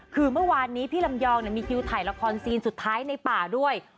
คือเมื่อวานนี้พี่ลำยองมีคิวถ่ายละครซีนสุดท้ายในป่าด้วย